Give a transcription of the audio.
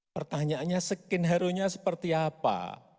pertanyaannya skin hero nya seperti apa